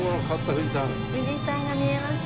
富士山が見えました。